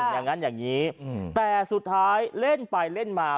อย่างนั้นอย่างนี้แต่สุดท้ายเล่นไปเล่นมา